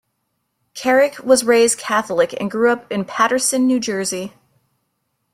Kerik was raised Catholic and grew up in Paterson, New Jersey.